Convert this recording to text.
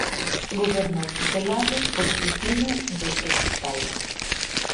Gobernou tutelado por Pipino de Heristal.